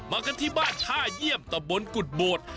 กันที่บ้านท่าเยี่ยมตะบนกุฎโบด